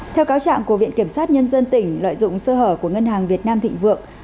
theo cáo trạng của viện kiểm sát nhân dân tỉnh lợi dụng sơ hở của ngân hàng việt nam thịnh vượng